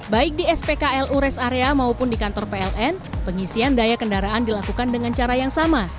baik di spklu res area maupun di kantor pln pengisian daya kendaraan dilakukan dengan cara yang sama